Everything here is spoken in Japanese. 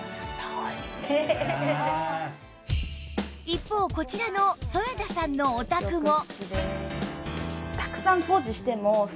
一方こちらの添田さんのお宅も